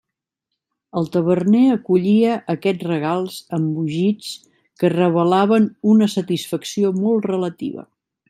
El taverner acollia aquests regals amb mugits que revelaven una satisfacció molt relativa.